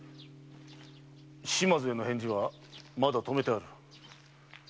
島津への返事はまだ止めてある。